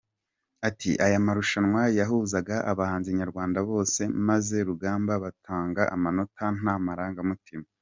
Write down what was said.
Ati :« Aya marushanwa yahuzaga abahanzi nyarwanda bose, maze ba Rugamba bagatanga amanota nta marangamutima.